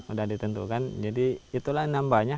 udah ditentukan jadi itulah nambahnya